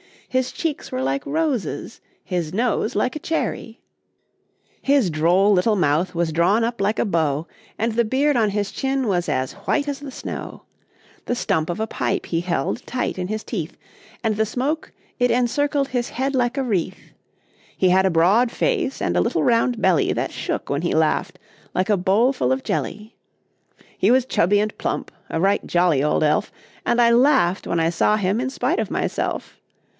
His cheeks were like roses, his nose like a cherry; His droll little mouth was drawn up like a bow, And the beard on his chin was as white as the snow; The stump of a pipe he held tight in his teeth, And the smoke, it encircled his head like a wreath. He had a broad face, and a little round belly That shook when he laughed, like a bowl full of jelly. He was chubby and plump a right jolly old elf; And I laughed when I saw him in spite of myself.